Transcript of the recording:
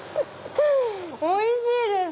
おいしいです！